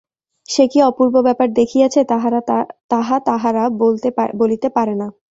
সে কি অপূর্ব ব্যাপার দেখিয়াছে তাহা তাহারা বলিতে পারে না।